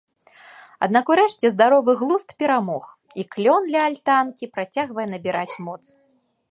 Аднак урэшце здаровы глузд перамог і клён ля альтанкі працягвае набіраць моц.